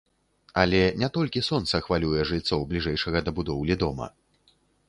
Але не толькі сонца хвалюе жыльцоў бліжэйшага да будоўлі дома.